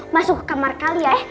masuk ke kamar kalian